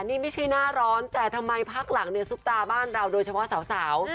นี่ไม่ใช่หน้าร้อนแต่ทำไมพักหลังเนี่ยซุปตาบ้านเราโดยเฉพาะสาว